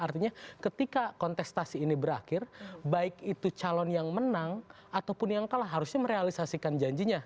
artinya ketika kontestasi ini berakhir baik itu calon yang menang ataupun yang kalah harusnya merealisasikan janjinya